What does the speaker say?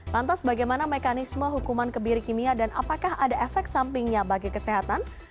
lantas bagaimana mekanisme hukuman kebiri kimia dan apakah ada efek sampingnya bagi kesehatan